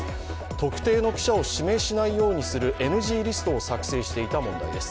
特定の記者を指名しないようにするＮＧリストを作成していた問題です。